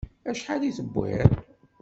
Acḥal i tewwiḍ?